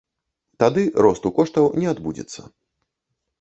Тады росту коштаў не адбудзецца.